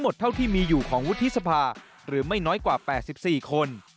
หรือไม่น้อยกว่า๘๔คน